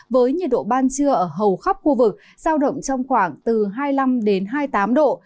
với nhiệt độ ban trưa ở hầu khắp khu vực giao động trong khoảng từ hai mươi năm đến hai mươi tám độ